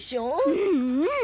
うんうん。